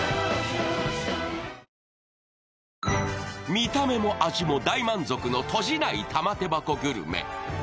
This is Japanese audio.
見た目も味も大満足の閉じない玉手箱グルメ。